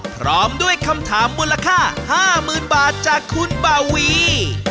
พร้อมด้วยคำถามมูลค่า๕๐๐๐บาทจากคุณบาวี